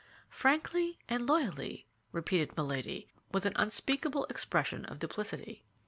"Frankly and loyally," repeated Milady, with an unspeakable expression of duplicity.